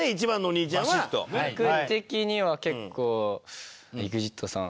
僕的には結構ＥＸＩＴさん。